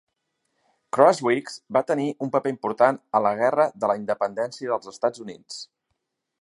Crosswicks va tenir un paper important a la Guerra de la Independència dels Estats Units.